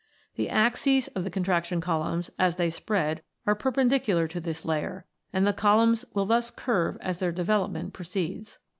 The axes of the con traction columns, as they spread, are perpendicular to this layer, and the columns will thus curve as their development proceeds.